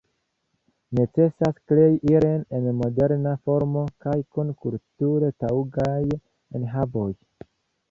Necesas krei ilin en moderna formo kaj kun kulture taŭgaj enhavoj.